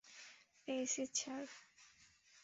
পেয়েছি, স্যার।